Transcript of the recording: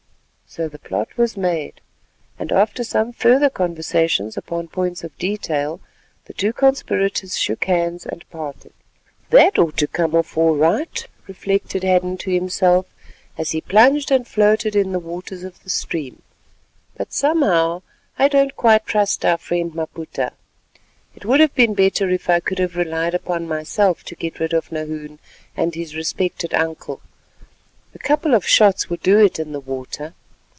So the plot was made, and after some further conversation upon points of detail, the two conspirators shook hands and parted. "That ought to come off all right," reflected Hadden to himself as he plunged and floated in the waters of the stream, "but somehow I don't quite trust our friend Maputa. It would have been better if I could have relied upon myself to get rid of Nahoon and his respected uncle—a couple of shots would do it in the water.